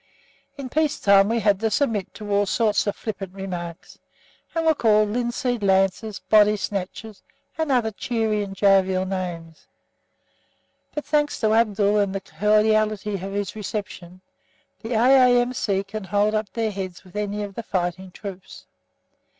In peacetime we had to submit to all sorts of flippant remarks, and were called Linseed Lancers, Body snatchers, and other cheery and jovial names; but, thanks to Abdul and the cordiality of his reception, the A.A.M.C. can hold up their heads with any of the fighting troops.